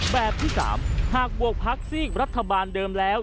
แบบที่๓หากบวกพักซีกรัฐบาลเดิมแล้ว